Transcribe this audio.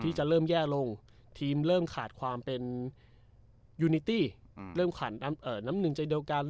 ที่จะเริ่มแย่ลงทีมเริ่มขาดความเป็นยูนิตี้เริ่มขาดน้ำหนึ่งใจเดียวกัน